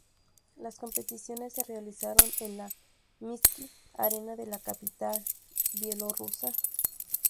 Las competiciones se realizaron en la Minsk Arena de la capital bielorrusa.